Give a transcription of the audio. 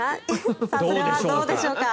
それはどうでしょうか。